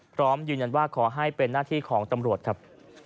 พร้อมยืนยันว่าขอให้เป็นหน้าที่ของตำรวจครับ